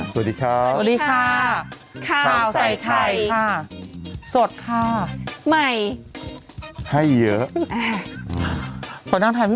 สวัสดีครับสวัสดีค่ะข้าวใส่ไข่ค่ะสดค่ะใหม่ให้เยอะ